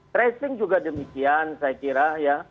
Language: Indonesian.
tracing juga demikian saya kira ya